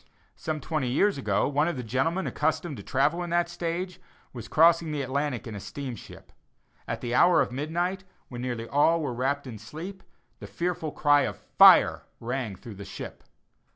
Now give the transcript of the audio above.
Some twenty years ago, one of the gentlemen accustomed to travel in that stage, was crossing the Atlantic in a steamship. At the hour of midnight, when nearly all were wrapt in sleep, the fearful cry of "fire" rang through the ship.